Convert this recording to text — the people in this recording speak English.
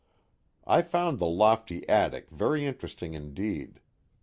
I found the lofty attic very interesting indeed.